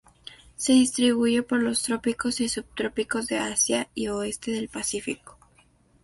Se distribuye por los trópicos y subtrópicos de Asia y oeste del Pacífico.